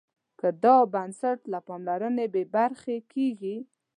که دا بنسټ له پاملرنې بې برخې کېږي.